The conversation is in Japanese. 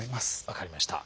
分かりました。